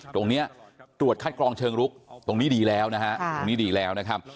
ตรงนี้ตรวจคัดกรองเชิงลุกตรงนี้ดีแล้วนะฮะตรงนี้ดีแล้วนะครับ